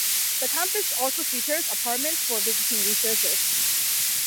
The campus also features apartments for visiting researchers.